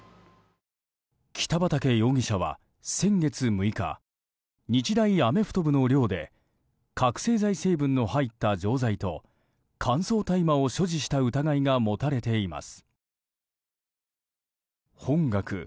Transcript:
北畠容疑者は先月６日日大アメフト部の寮で覚醒剤成分の入った錠剤と乾燥大麻を所持した疑いが持たれています。